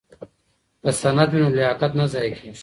که سند وي نو لیاقت نه ضایع کیږي.